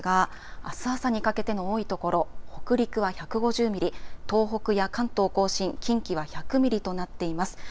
雨量ですがあす朝にかけて多い所北陸は１５０ミリ東北や関東甲信、近畿は１００ミリとなっています。